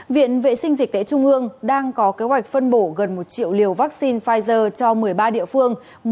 viện vệ sinh dịch tễ trung ương đang có kế hoạch phân bổ gần một triệu liều vaccine pfizer cho một mươi ba địa phương